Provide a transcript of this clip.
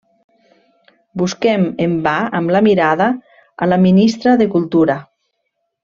Busquem en va amb la mirada a la ministra de Cultura.